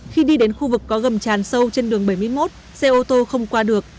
khi đi đến khu vực có gầm tràn sâu trên đường bảy mươi một xe ô tô không qua được